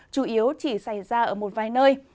chủ yếu chỉ xảy ra ở một vài nơi